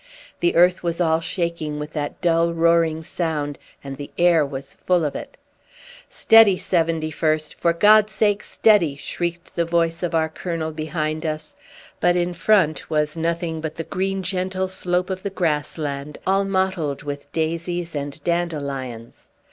The earth was all shaking with that dull roaring sound, and the air was full of it. "Steady, 71st! for God's sake, steady!" shrieked the voice of our colonel behind us; but in front was nothing but the green gentle slope of the grassland, all mottled with daisies and dandelions.